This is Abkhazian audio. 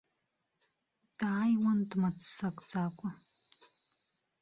Дааиуан дмыццакӡакәа.